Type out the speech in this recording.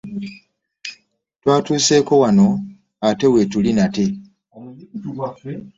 Twatuseeko wano ate wettuli natte.